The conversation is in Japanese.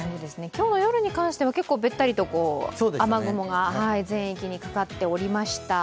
今日の夜に関しては結構べったりと雨雲が全域にかかっておりました。